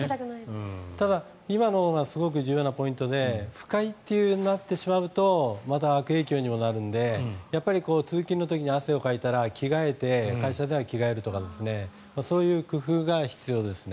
ただ、今のがすごく重要で不快となってしまうとまた悪影響になるので通勤の時に汗をかいたら着替えて会社では着替えるとかそういう工夫が必要ですね。